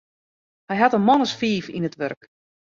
Hy hat in man as fiif yn it wurk.